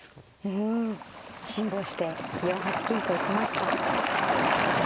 うん辛抱して４八金と打ちました。